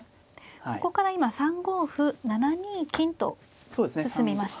ここから今３五歩７二金と進みました。